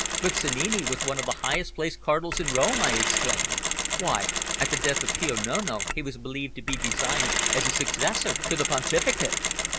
"But Sannini was one of the highest placed Cardinals in Rome," I exclaimed. "Why, at the death of Pio Nono, he was believed to be designed as his successor to the Pontificate."